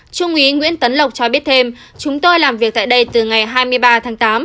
trung úy nguyễn tấn lộc cho biết thêm chúng tôi làm việc tại đây từ ngày hai mươi ba tháng tám